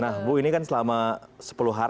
nah bu ini kan selama berapa tahun